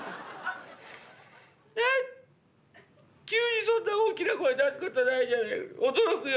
「ひゃっ急にそんな大きな声出す事ないじゃないの驚くよ